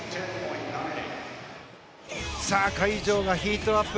会場がヒートアップ。